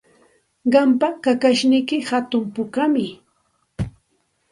Qampa kakashniyki hatun pukami.